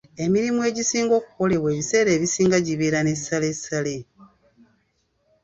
Emirimu egisinga okukolebwa ebiseera ebisinga gibeera ne ssalessale.